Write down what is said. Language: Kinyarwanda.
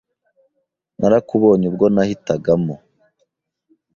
Narakubonye ubwo nahitagamo